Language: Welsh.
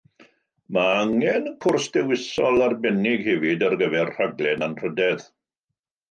Mae angen cwrs dewisol arbennig hefyd ar gyfer y rhaglen Anrhydedd.